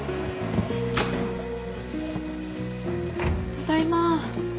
ただいま。